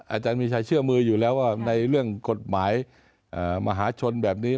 อาจารย์มีชัยเชื่อมืออยู่แล้วว่าในเรื่องกฎหมายมหาชนแบบนี้